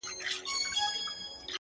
• زړه مي د اشنا په لاس کي وليدی،